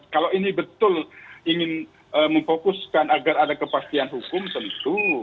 kalau ini betul ingin memfokuskan agar ada kepastian hukum tentu